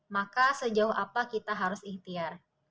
maka sejauh apa kita harus ikhtiar